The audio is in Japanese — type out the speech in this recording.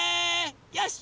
よし！